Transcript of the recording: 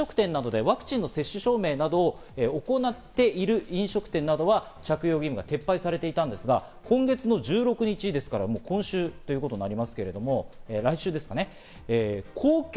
さらにフランスですけれども３月、飲食店などでワクチンの接種証明などを行っている飲食店などは、着用義務が撤廃されていたんですが、今月の１６日ですから、今週ということになります、来週ですかね。